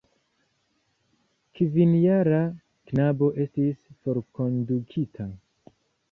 Kvinjara knabo estis forkondukita.